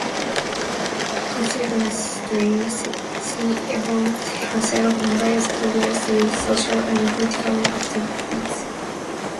Consequently, she involved herself in various progressive social and political activities.